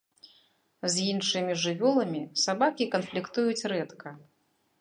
З іншымі жывёламі сабакі канфліктуюць рэдка.